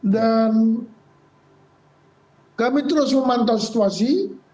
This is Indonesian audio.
dan kami terus memantau situasi